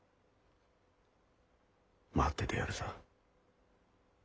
待っててやるさ。